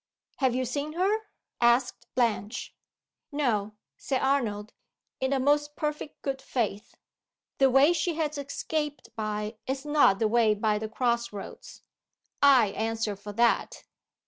"Have you seen her?" asked Blanche. "No," said Arnold, in the most perfect good faith. "The way she has escaped by is not the way by the cross roads I answer for that."